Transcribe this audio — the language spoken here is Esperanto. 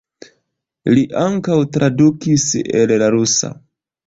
Li ankaŭ tradukis el la rusa.